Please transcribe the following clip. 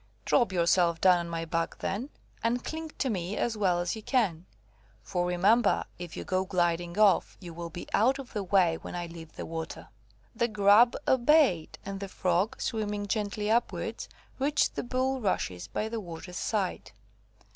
"Drop yourself down on my back, then, and cling to me as well as you can. For, remember, if you go gliding off, you will be out of the way when I leave the water." The Grub obeyed, and the Frog, swimming gently upwards, reached the bulrushes by the water's side.